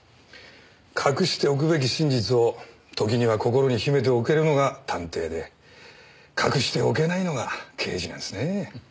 隠しておくべき真実を時には心に秘めておけるのが探偵で隠しておけないのが刑事なんですねえ。